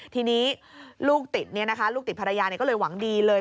ทีนี้ลูกติดลูกติดภรรยาก็เลยหวังดีเลย